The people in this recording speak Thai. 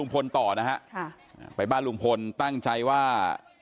ไปบ้านลุงพลตั้งใจว่า